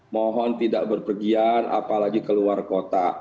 mohon tidak berpergian apalagi keluar kota